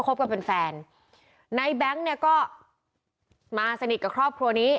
บกันเป็นแฟนในแบงค์เนี่ยก็มาสนิทกับครอบครัวนี้